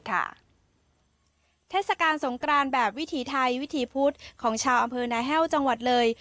เทศกาลสงกรานแบบวิถีไทยวิถีพุธของชาวอำเภอนาแห้วจังหวัดเลย